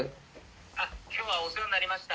あっ今日はお世話になりました。